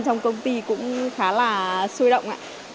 công ty cũng khá là xuôi động